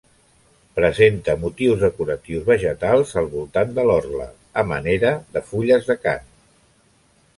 Presenta motius decoratius vegetals al voltant de l'orla, a manera de fulles d'acant.